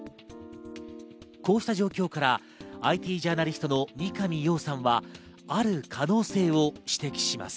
こうした状況から、ＩＴジャーナリストの三上洋さんはある可能性を指摘します。